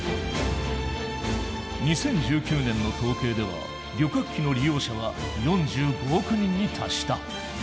２０１９年の統計では旅客機の利用者は４５億人に達した。